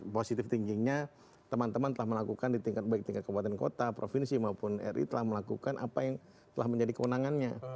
positive thinkingnya teman teman telah melakukan di tingkat baik tingkat kebuatan kota provinsi maupun ri telah melakukan apa yang telah menjadi kewenangannya